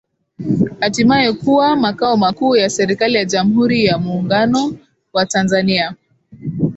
Hatimaye kuwa makao makuu ya Serikali ya Jamhuri ya Muungano wa Tanzania